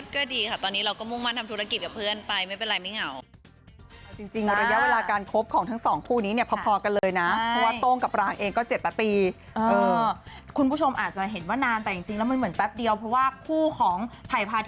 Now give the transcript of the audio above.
ก็ดีค่ะตอนนี้เราก็มุ่งมั่นทำธุรกิจกับเพื่อนไป